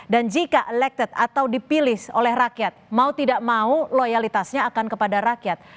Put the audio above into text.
dan jika elected atau dipilih oleh rakyat mau tidak mau loyalitasnya akan kepada rakyat